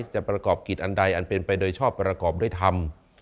ประกอบกิจอันใดอันเป็นไปโดยชอบประกอบด้วยธรรม